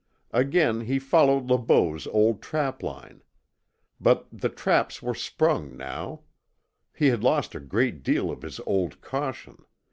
Again he followed Le Beau's old trapline. But the traps were sprung now. He had lost a great deal of his old caution.